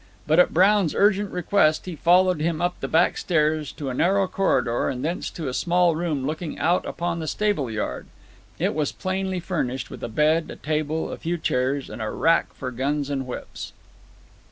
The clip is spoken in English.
But at Brown's urgent request, he followed him up the back stairs to a narrow corridor, and thence to a small room looking out upon the stable yard. It was plainly furnished with a bed, a table, a few chairs, and a rack for guns and whips.